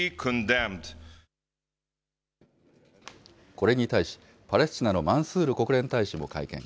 これに対し、パレスチナのマンスール国連大使も会見。